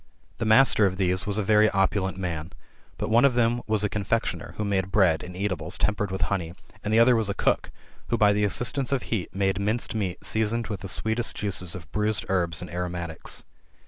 The master of these was a very opulent man. But one of them was a confectioner, who made bread and eatables tempered with honey; and the other was a cook, who, by the assistance of heat, made minced meat seasoned with the sweetest juices of bruised herbs and aromatics.